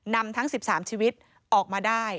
นำทั้ง๑๓ชีวิตออกมาได้